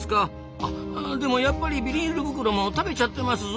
あでもやっぱりビニール袋も食べちゃってますぞ。